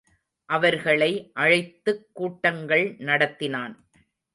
அவர்களை அழைத்துக்கூட்டங்கள் நடத்தினான்.